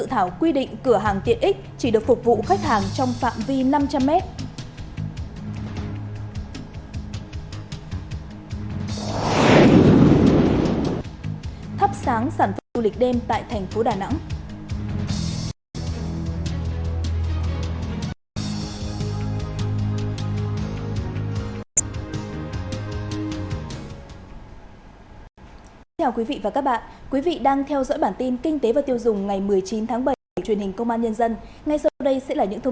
hãy đăng ký kênh để ủng hộ kênh của chúng mình nhé